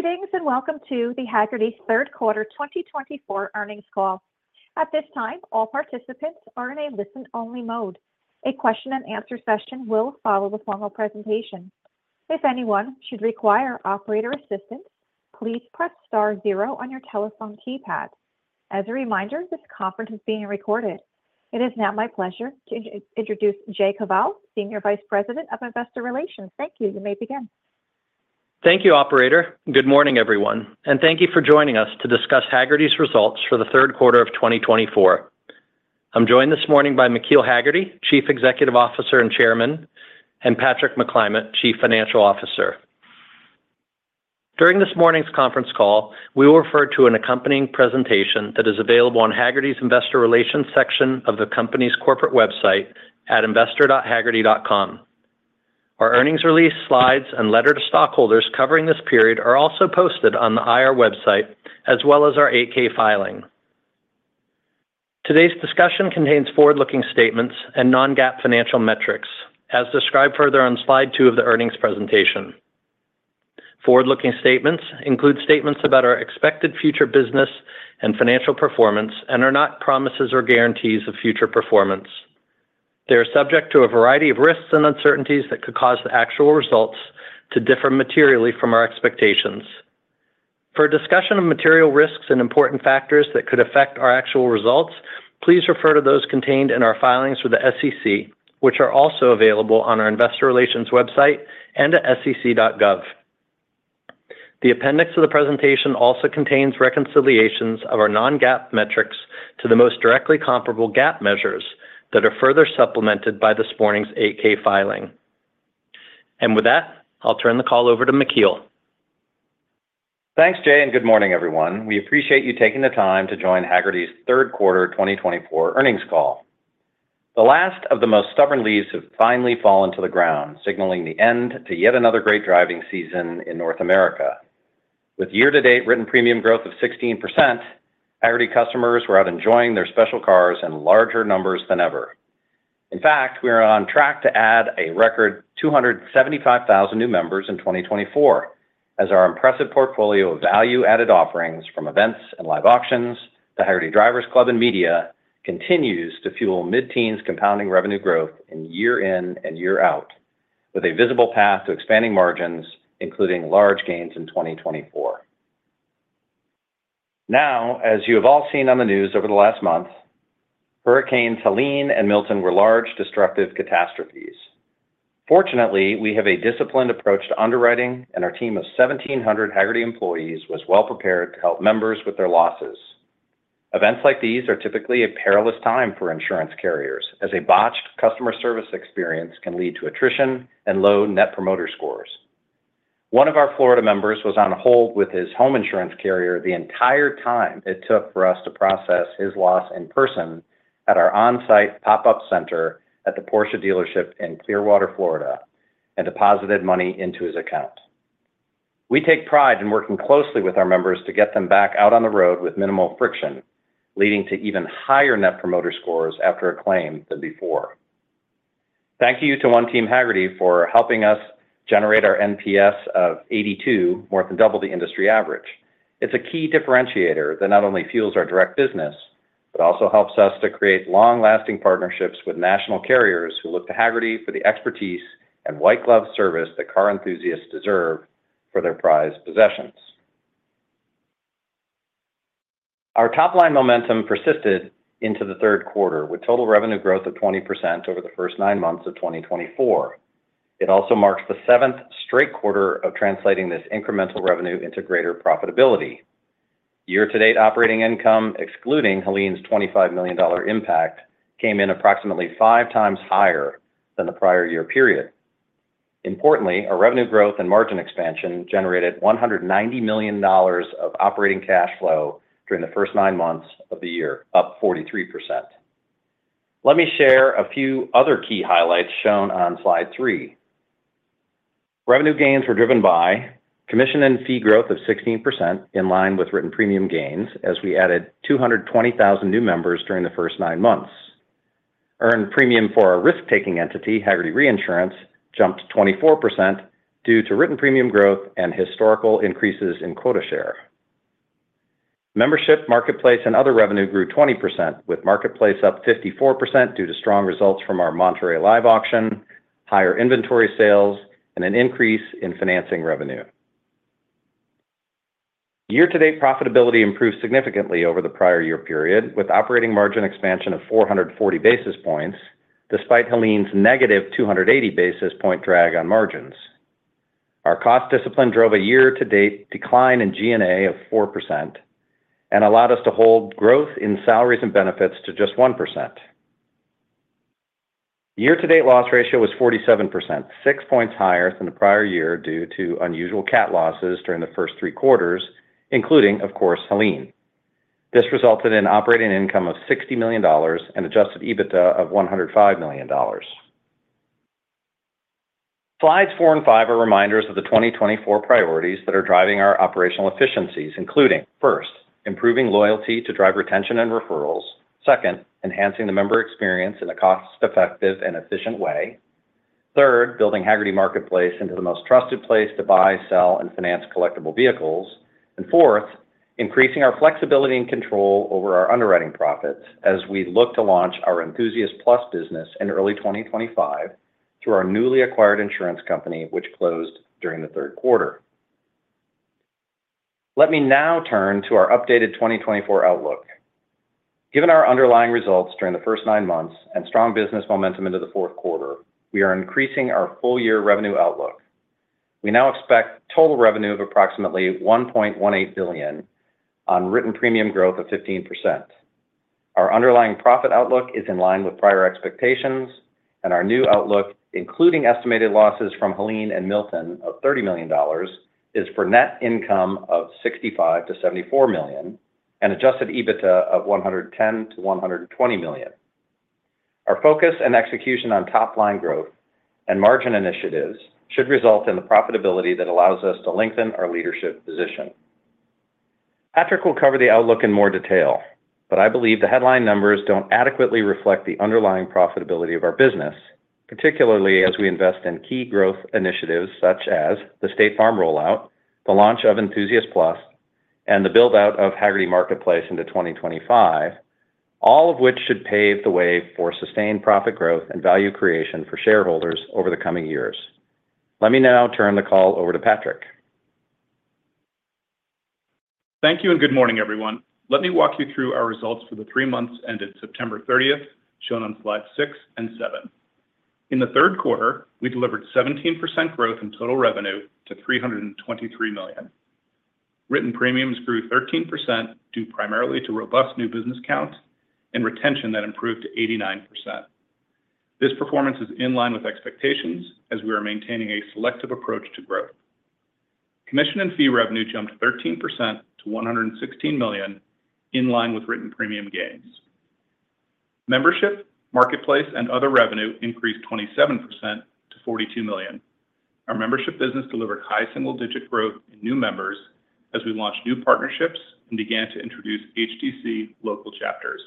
Greetings and welcome to the Hagerty Third Quarter 2024 earnings call. At this time, all participants are in a listen-only mode. A question-and-answer session will follow the formal presentation. If anyone should require operator assistance, please press star zero on your telephone keypad. As a reminder, this conference is being recorded. It is now my pleasure to introduce Jay Koval, SVP of Investor Relations. Thank you. You may begin. Thank you, Operator. Good morning, everyone, and thank you for joining us to discuss Hagerty's results for the third quarter of 2024. I'm joined this morning by McKeel Hagerty, CEO and Chairman, and Patrick McClymont, CFO. During this morning's conference call, we will refer to an accompanying presentation that is available on Hagerty's Investor Relations section of the company's corporate website at investor.hagerty.com. Our earnings release slides and letter to stockholders covering this period are also posted on the IR website, as well as our 8-K filing. Today's discussion contains forward-looking statements and non-GAAP financial metrics, as described further on slide two of the earnings presentation. Forward-looking statements include statements about our expected future business and financial performance and are not promises or guarantees of future performance. They are subject to a variety of risks and uncertainties that could cause the actual results to differ materially from our expectations. For a discussion of material risks and important factors that could affect our actual results, please refer to those contained in our filings with the SEC, which are also available on our Investor Relations website and at sec.gov. The appendix of the presentation also contains reconciliations of our non-GAAP metrics to the most directly comparable GAAP measures that are further supplemented by this morning's 8-K filing. With that, I'll turn the call over to McKeel. Thanks, Jay, and good morning, everyone. We appreciate you taking the time to join Hagerty's Third Quarter 2024 earnings call. The last of the most stubborn leaves have finally fallen to the ground, signaling the end to yet another great driving season in North America. With year-to-date written premium growth of 16%, Hagerty customers were out enjoying their special cars in larger numbers than ever. In fact, we are on track to add a record 275,000 new members in 2024, as our impressive portfolio of value-added offerings, from events and live auctions to Hagerty Drivers Club and media, continues to fuel mid-teens compounding revenue growth year in and year out, with a visible path to expanding margins, including large gains in 2024. Now, as you have all seen on the news over the last month, Hurricanes Helene and Milton were large destructive catastrophes. Fortunately, we have a disciplined approach to underwriting, and our team of 1,700 Hagerty employees was well prepared to help members with their losses. Events like these are typically a perilous time for insurance carriers, as a botched customer service experience can lead to attrition and low Net Promoter Scores. One of our Florida members was on hold with his home insurance carrier the entire time it took for us to process his loss in person at our on-site pop-up center at the Porsche dealership in Clearwater, Florida, and deposited money into his account. We take pride in working closely with our members to get them back out on the road with minimal friction, leading to even higher Net Promoter Scores after a claim than before. Thank you to One Team Hagerty for helping us generate our NPS of 82, more than double the industry average. It's a key differentiator that not only fuels our direct business, but also helps us to create long-lasting partnerships with national carriers who look to Hagerty for the expertise and white-glove service that car enthusiasts deserve for their prized possessions. Our top-line momentum persisted into the third quarter, with total revenue growth of 20% over the first nine months of 2024. It also marks the seventh straight quarter of translating this incremental revenue into greater profitability. Year-to-date operating income, excluding Helene's $25 million impact, came in approximately five times higher than the prior year period. Importantly, our revenue growth and margin expansion generated $190 million of operating cash flow during the first nine months of the year, up 43%. Let me share a few other key highlights shown on slide three. Revenue gains were driven by commission and fee growth of 16% in line with written premium gains, as we added 220,000 new members during the first nine months. Earned premium for our risk-taking entity, Hagerty Reinsurance, jumped 24% due to written premium growth and historical increases in quota share. Membership, marketplace, and other revenue grew 20%, with marketplace up 54% due to strong results from our Monterey Live Auction, higher inventory sales, and an increase in financing revenue. Year-to-date profitability improved significantly over the prior year period, with operating margin expansion of 440 basis points, despite Helene's negative 280 basis point drag on margins. Our cost discipline drove a year-to-date decline in G&A of 4% and allowed us to hold growth in salaries and benefits to just 1%. Year-to-date loss ratio was 47%, six points higher than the prior year due to unusual cat losses during the first three quarters, including, of course, Helene. This resulted in operating income of $60 million and adjusted EBITDA of $105 million. Slides four and five are reminders of the 2024 priorities that are driving our operational efficiencies, including first, improving loyalty to drive retention and referrals, second, enhancing the member experience in a cost-effective and efficient way, third, building Hagerty Marketplace into the most trusted place to buy, sell, and finance collectible vehicles, and fourth, increasing our flexibility and control over our underwriting profits as we look to launch our Enthusiast Plus business in early 2025 through our newly acquired insurance company, which closed during the third quarter. Let me now turn to our updated 2024 outlook. Given our underlying results during the first nine months and strong business momentum into the fourth quarter, we are increasing our full-year revenue outlook. We now expect total revenue of approximately $1.18 billion on written premium growth of 15%. Our underlying profit outlook is in line with prior expectations, and our new outlook, including estimated losses from Helene and Milton of $30 million, is for net income of $65 million-$74 million and Adjusted EBITDA of $110 million-$120 million. Our focus and execution on top-line growth and margin initiatives should result in the profitability that allows us to lengthen our leadership position. Patrick will cover the outlook in more detail, but I believe the headline numbers don't adequately reflect the underlying profitability of our business, particularly as we invest in key growth initiatives such as the State Farm rollout, the launch of Enthusiast Plus, and the build-out of Hagerty Marketplace into 2025, all of which should pave the way for sustained profit growth and value creation for shareholders over the coming years. Let me now turn the call over to Patrick. Thank you and good morning, everyone. Let me walk you through our results for the three months ended September 30th, shown on slides six and seven. In the third quarter, we delivered 17% growth in total revenue to $323 million. Written premiums grew 13% due primarily to robust new business count and retention that improved to 89%. This performance is in line with expectations as we are maintaining a selective approach to growth. Commission and fee revenue jumped 13% to $116 million, in line with written premium gains. Membership, marketplace, and other revenue increased 27% to $42 million. Our membership business delivered high single-digit growth in new members as we launched new partnerships and began to introduce HDC local chapters.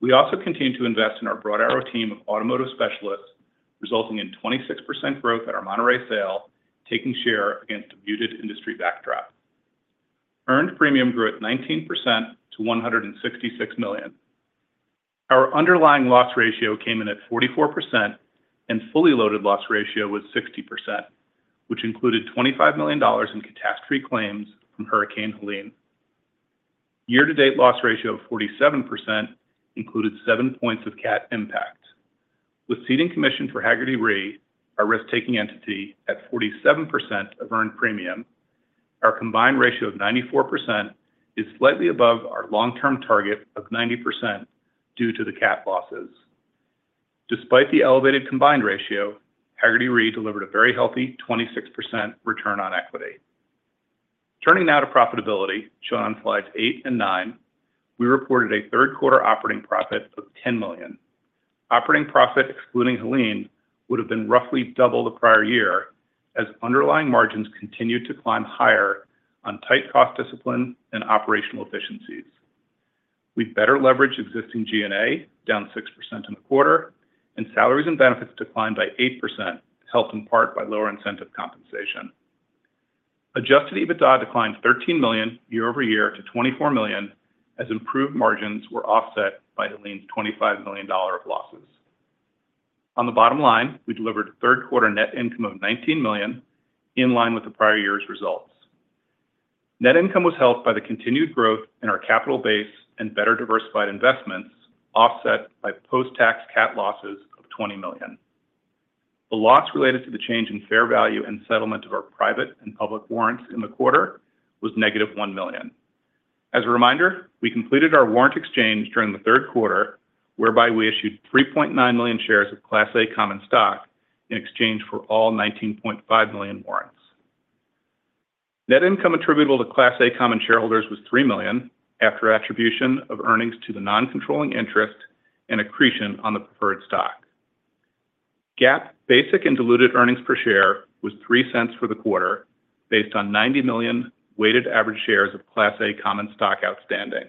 We also continued to invest in our Broad Arrow team of automotive specialists, resulting in 26% growth at our Monterey sale, taking share against a muted industry backdrop. Earned premium grew at 19% to $166 million. Our underlying loss ratio came in at 44%, and fully loaded loss ratio was 60%, which included $25 million in catastrophe claims from Hurricane Helene. Year-to-date loss ratio of 47% included seven points of cat impact. With ceding commission for Hagerty Re, our risk-taking entity, at 47% of earned premium, our combined ratio of 94% is slightly above our long-term target of 90% due to the cat losses. Despite the elevated combined ratio, Hagerty Re delivered a very healthy 26% return on equity. Turning now to profitability, shown on slides eight and nine, we reported a third-quarter operating profit of $10 million. Operating profit, excluding Helene, would have been roughly double the prior year as underlying margins continued to climb higher on tight cost discipline and operational efficiencies. We better leveraged existing G&A, down 6% in the quarter, and salaries and benefits declined by 8%, helped in part by lower incentive compensation. Adjusted EBITDA declined $13 million year-over-year to $24 million as improved margins were offset by Helene's $25 million of losses. On the bottom line, we delivered a third-quarter net income of $19 million, in line with the prior year's results. Net income was helped by the continued growth in our capital base and better diversified investments, offset by post-tax cat losses of $20 million. The loss related to the change in fair value and settlement of our private and public warrants in the quarter was negative $1 million. As a reminder, we completed our warrant exchange during the third quarter, whereby we issued 3.9 million shares of Class A common stock in exchange for all 19.5 million warrants. Net income attributable to Class A common shareholders was $3 million after attribution of earnings to the non-controlling interest and accretion on the preferred stock. GAAP basic and diluted earnings per share was $0.03 for the quarter, based on 90 million weighted average shares of Class A common stock outstanding.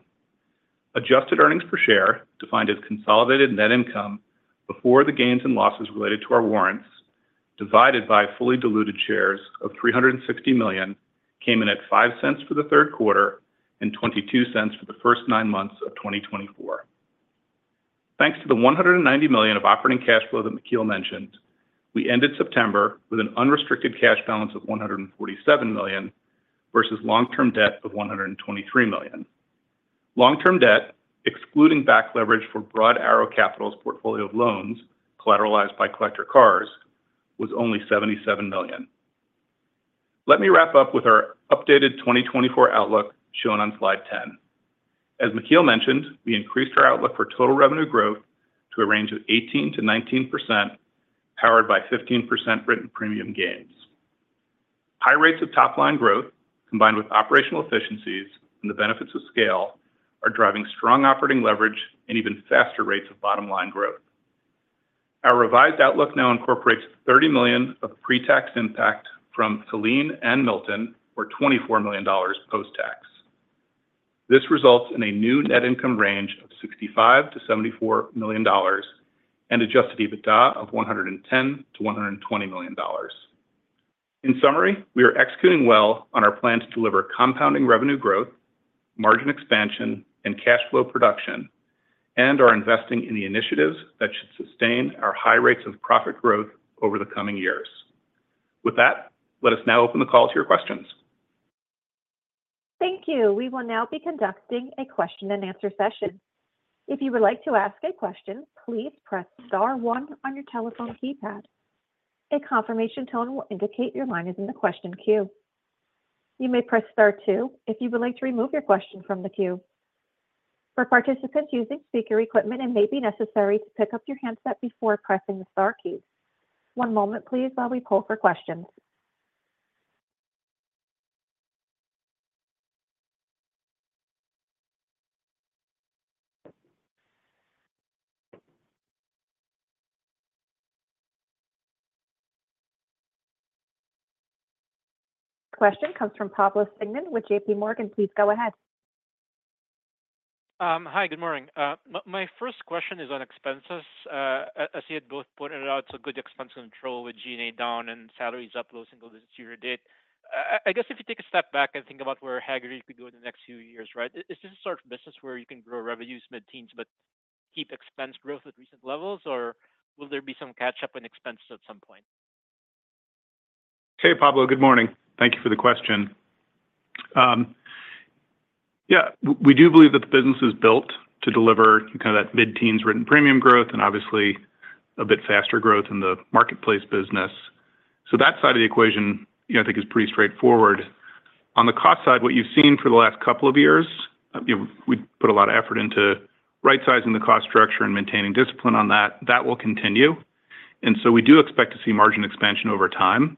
Adjusted earnings per share, defined as consolidated net income before the gains and losses related to our warrants, divided by fully diluted shares of 360 million, came in at $0.05 for the third quarter and $0.22 for the first nine months of 2024. Thanks to the $190 million of operating cash flow that McKeel mentioned, we ended September with an unrestricted cash balance of $147 million versus long-term debt of $123 million. Long-term debt, excluding back leverage for Broad Arrow Capital's portfolio of loans collateralized by collector cars, was only $77 million. Let me wrap up with our updated 2024 outlook shown on slide 10. As McKeel mentioned, we increased our outlook for total revenue growth to a range of 18%-19%, powered by 15% written premium gains. High rates of top-line growth, combined with operational efficiencies and the benefits of scale, are driving strong operating leverage and even faster rates of bottom-line growth. Our revised outlook now incorporates $30 million of pre-tax impact from Helene and Milton, or $24 million post-tax. This results in a new net income range of $65 million-$74 million and adjusted EBITDA of $110 million-$120 million. In summary, we are executing well on our plan to deliver compounding revenue growth, margin expansion, and cash flow production, and are investing in the initiatives that should sustain our high rates of profit growth over the coming years. With that, let us now open the call to your questions. Thank you. We will now be conducting a question-and-answer session. If you would like to ask a question, please press star one on your telephone keypad. A confirmation tone will indicate your line is in the question queue. You may press Star two if you would like to remove your question from the queue. For participants using speaker equipment, it may be necessary to pick up your handset before pressing the star keys. One moment, please, while we pull for questions. Question comes from Pablo Singzon with JPMorgan. Please go ahead. Hi, good morning. My first question is on expenses. As you had both pointed out, it's a good expense control with G&A down and salaries up low single digit year to date. I guess if you take a step back and think about where Hagerty could go in the next few years, right, is this the sort of business where you can grow revenues mid-teens but keep expense growth at recent levels, or will there be some catch-up in expenses at some point? Hey, Pablo, good morning. Thank you for the question. Yeah, we do believe that the business is built to deliver kind of that mid-teens written premium growth and obviously a bit faster growth in the marketplace business. So that side of the equation, I think, is pretty straightforward. On the cost side, what you've seen for the last couple of years, we put a lot of effort into right-sizing the cost structure and maintaining discipline on that. That will continue, and so we do expect to see margin expansion over time.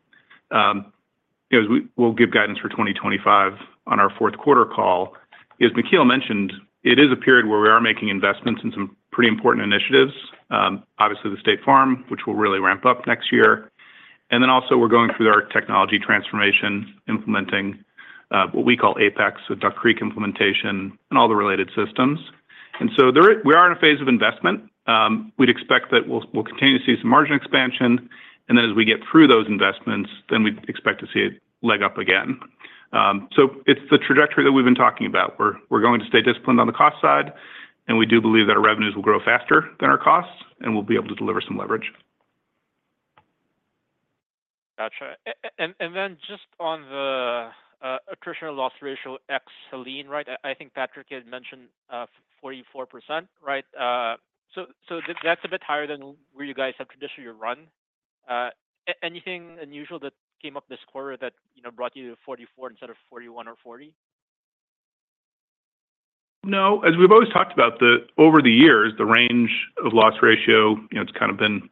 We'll give guidance for 2025 on our fourth quarter call. As McKeel mentioned, it is a period where we are making investments in some pretty important initiatives, obviously the State Farm, which will really ramp up next year. And then also we're going through our technology transformation, implementing what we call Apex, so Duck Creek implementation and all the related systems. And so we are in a phase of investment. We'd expect that we'll continue to see some margin expansion. And then as we get through those investments, then we'd expect to see it leg up again. So it's the trajectory that we've been talking about. We're going to stay disciplined on the cost side, and we do believe that our revenues will grow faster than our costs, and we'll be able to deliver some leverage. Gotcha. And then just on the attrition loss ratio ex-Helene, right? I think Patrick had mentioned 44%, right? So that's a bit higher than where you guys have traditionally run. Anything unusual that came up this quarter that brought you to 44% instead of 41% or 40%? No, as we've always talked about, over the years, the range of loss ratio, it's kind of been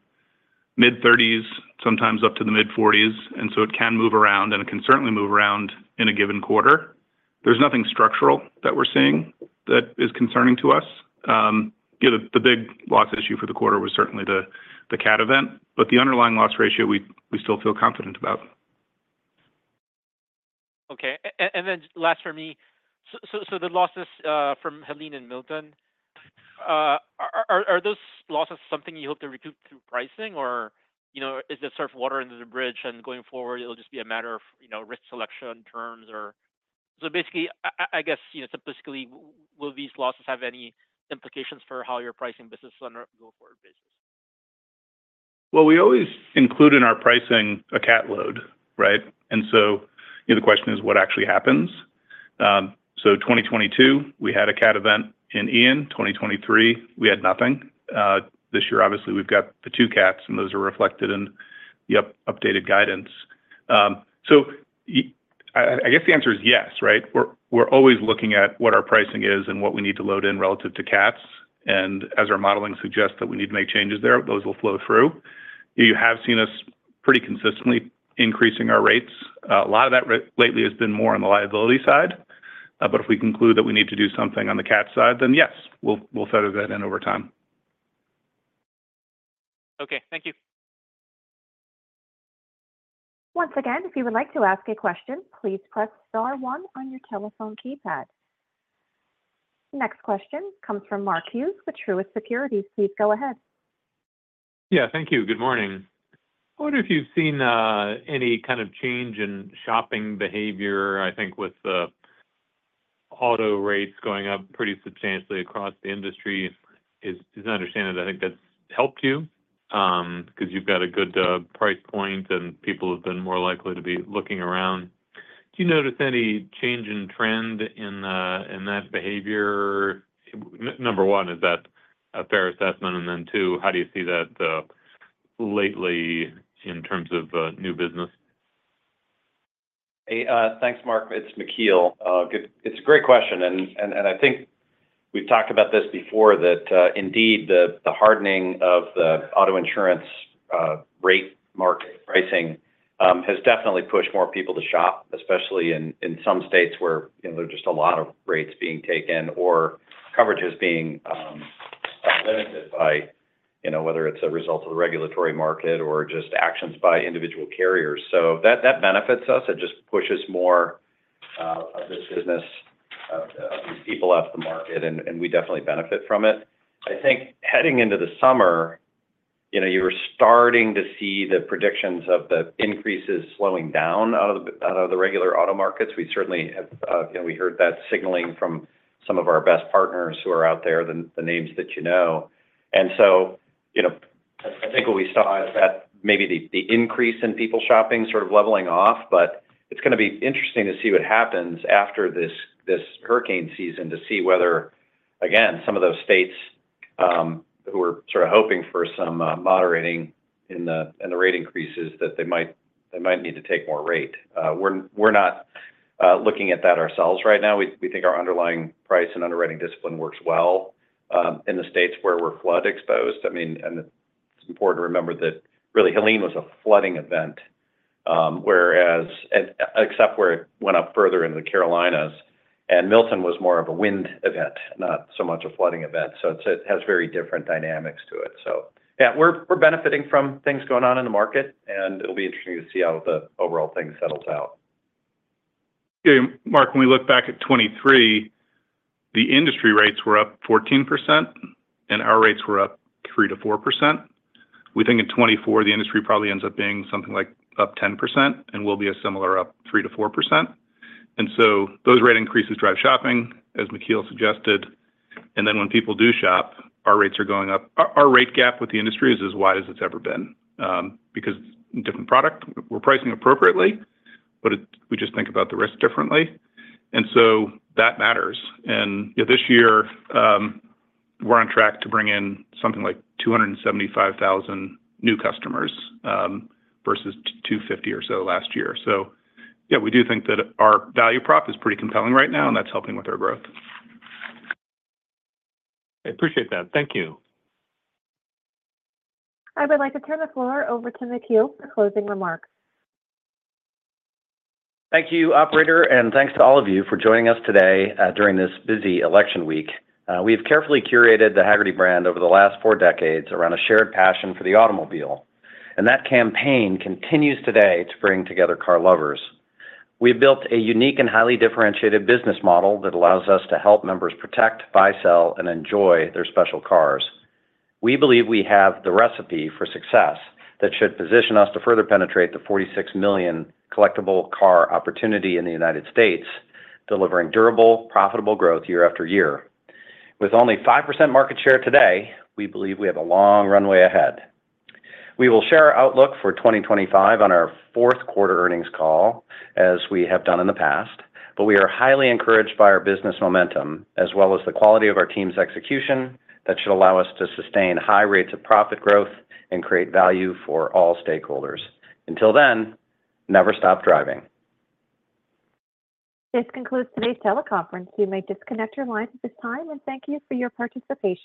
mid-30s, sometimes up to the mid-40s. And so it can move around, and it can certainly move around in a given quarter. There's nothing structural that we're seeing that is concerning to us. The big loss issue for the quarter was certainly the cat event, but the underlying loss ratio, we still feel confident about. Okay. And then last for me, so the losses from Helene and Milton, are those losses something you hope to recoup through pricing, or is it sort of water under the bridge and going forward, it'll just be a matter of risk selection terms? So basically, I guess, simplistically, will these losses have any implications for how your pricing business is on a go-forward basis? We always include in our pricing a cat load, right? And so the question is, what actually happens? So 2022, we had a cat event in Ian. 2023, we had nothing. This year, obviously, we've got the two cats, and those are reflected in the updated guidance. So I guess the answer is yes, right? We're always looking at what our pricing is and what we need to load in relative to cats. And as our modeling suggests that we need to make changes there, those will flow through. You have seen us pretty consistently increasing our rates. A lot of that lately has been more on the liability side. But if we conclude that we need to do something on the cat side, then yes, we'll feather that in over time. Okay. Thank you. Once again, if you would like to ask a question, please press Star 1 on your telephone keypad. Next question comes from Mark Hughes with Truist Securities. Please go ahead. Yeah, thank you. Good morning. I wonder if you've seen any kind of change in shopping behavior, I think, with auto rates going up pretty substantially across the industry. It's understandable that I think that's helped you because you've got a good price point and people have been more likely to be looking around. Do you notice any change in trend in that behavior? Number one, is that a fair assessment? And then two, how do you see that lately in terms of new business? Hey, thanks, Mark. It's McKeel. It's a great question. And I think we've talked about this before, that indeed the hardening of the auto insurance rate market pricing has definitely pushed more people to shop, especially in some states where there are just a lot of rates being taken or coverages being limited by whether it's a result of the regulatory market or just actions by individual carriers. So that benefits us. It just pushes more of this business, of these people out to the market, and we definitely benefit from it. I think heading into the summer, you were starting to see the predictions of the increases slowing down out of the regular auto markets. We certainly have heard that signaling from some of our best partners who are out there, the names that you know. I think what we saw is that maybe the increase in people shopping sort of leveling off, but it's going to be interesting to see what happens after this hurricane season to see whether, again, some of those states who were sort of hoping for some moderating in the rate increases that they might need to take more rate. We're not looking at that ourselves right now. We think our underlying price and underwriting discipline works well in the states where we're flood-exposed. I mean, and it's important to remember that really Helene was a flooding event, except where it went up further into the Carolinas, and Milton was more of a wind event, not so much a flooding event. So it has very different dynamics to it. So yeah, we're benefiting from things going on in the market, and it'll be interesting to see how the overall thing settles out. Mark, when we look back at 2023, the industry rates were up 14%, and our rates were up 3%-4%. We think in 2024, the industry probably ends up being something like up 10%, and we'll be a similar up 3%-4%. And so those rate increases drive shopping, as McKeel suggested. And then when people do shop, our rates are going up. Our rate gap with the industry is as wide as it's ever been because it's a different product. We're pricing appropriately, but we just think about the risk differently. And so that matters. And this year, we're on track to bring in something like 275,000 new customers versus 250 or so last year. So yeah, we do think that our value prop is pretty compelling right now, and that's helping with our growth. I appreciate that. Thank you. I would like to turn the floor over to McKeel for closing remarks. Thank you, operator, and thanks to all of you for joining us today during this busy election week. We have carefully curated the Hagerty brand over the last four decades around a shared passion for the automobile. And that campaign continues today to bring together car lovers. We have built a unique and highly differentiated business model that allows us to help members protect, buy, sell, and enjoy their special cars. We believe we have the recipe for success that should position us to further penetrate the 46 million collectible car opportunity in the United States, delivering durable, profitable growth year after year. With only 5% market share today, we believe we have a long runway ahead. We will share our outlook for 2025 on our fourth quarter earnings call, as we have done in the past, but we are highly encouraged by our business momentum as well as the quality of our team's execution that should allow us to sustain high rates of profit growth and create value for all stakeholders. Until then, never stop driving. This concludes today's teleconference. You may disconnect your lines at this time, and thank you for your participation.